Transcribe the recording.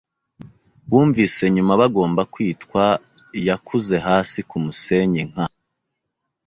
bumvise nyuma bagomba kwitwa - yakuze hasi kumusenyi nka